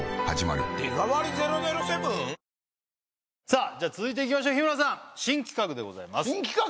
さあじゃあ続いていきましょう日村さん新企画でございます新企画？